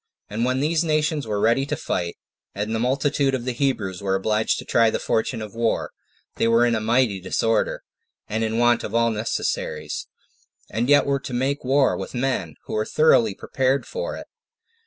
And when these nations were ready to fight, and the multitude of the Hebrews were obliged to try the fortune of war, they were in a mighty disorder, and in want of all necessaries, and yet were to make war with men who were thoroughly well prepared for it.